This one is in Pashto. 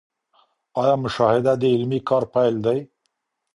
آيا مشاهده د علمي کار پيل دی؟